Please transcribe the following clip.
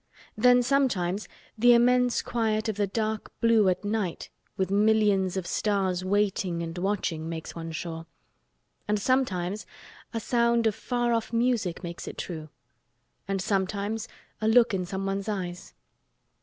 Then sometimes the immense quiet of the dark blue at night with millions of stars waiting and watching makes one sure; and sometimes a sound of far off music makes it true; and sometimes a look in someone's eyes.